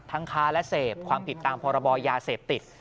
ค้าและเสพความผิดตามพรบยาเสพติด